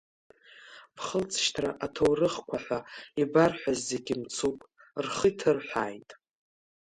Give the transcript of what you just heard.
Бхылҵшьҭра аҭоурыхқәа ҳәа ибарҳәаз зегьы мцуп, рхы иҭырҳәааит.